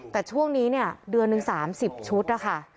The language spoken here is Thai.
แต่ช่วงนี้เนี่ยเดือนหนึ่ง๓๐ชุดนะคะ